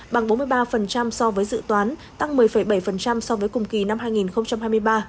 bằng bốn mươi ba so với dự toán tăng một mươi bảy so với cùng kỳ năm hai nghìn hai mươi ba